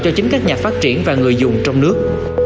cho chính các nhà phát triển và người dùng trong nước